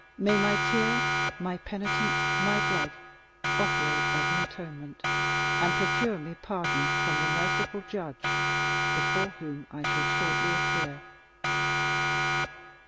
May my tears, my penitence, my blood operate as an atonement, and procure me pardon from the merciful Judge before whom I shall shortly appear."